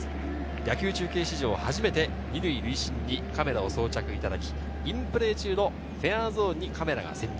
野球中継史上初めて２塁塁審にカメラを装着いただきインプレー中のフェアゾーンにカメラが潜入。